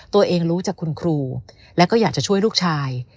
รู้จากคุณครูแล้วก็อยากจะช่วยลูกชาย